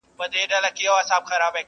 دوی مو د کلي د ډیوې اثر په کاڼو ولي!.